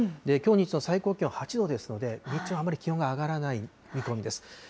きょう日中の最高気温８度ですので、日中はあまり気温が上がらない見込みです。